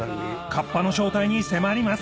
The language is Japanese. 河童の正体に迫ります！